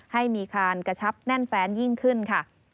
ให้มีคานกระชับแน่นแฟนยิ่งขึ้นค่ะ